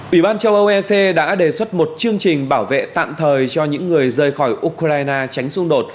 ủy ban châu âu ec đã đề xuất một chương trình bảo vệ tạm thời cho những người rời khỏi ukraine tránh xung đột